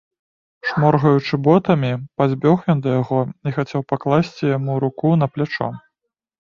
Шморгаючы ботамі, падбег ён да яго і хацеў пакласці яму руку на плячо.